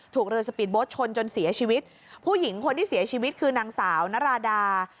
ถูกเรือสปีดโบ๊ทชนจนเสียชีวิตผู้หญิงคนที่เสียชีวิตคือนางสาวนราดา